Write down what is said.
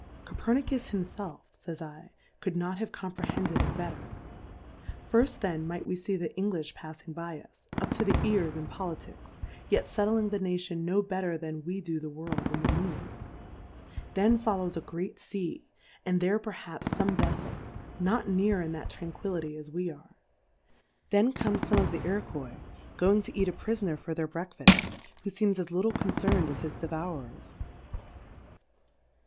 Co^er/iicus himfelf, fays J, could not have comprehended it better: Firft then might we fee the Englijh paf fing by us, up to the Ears in Poli ticks, yet fetling the Nation no better than we do the World m the Moo?t ; then follows a great Sea, and there perhaps fome Veffel, not near in that Tranqui lity as we are ; then come fome of the Iro^ quois going to eat a Prifoner for their Breakfaft, who feems as little concerned as his Devourers.